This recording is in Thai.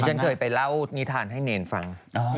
ฉันเคยไปเล่านิทานให้เนรฟัง